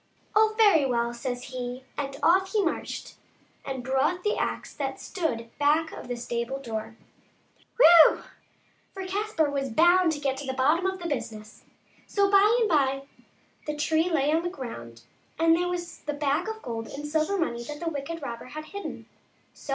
" Oh, very well !" says he, and off he marched and brought the axe that stood back of the stable door. Hui ! how the chips flew ! for Caspar was bound to get to the bottom of the business. So by and by the tree lay on the ground, and there was the bag of gold and silver money that the wicked robber had hidden. " So